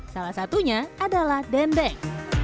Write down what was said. salah satunya adalah dendeng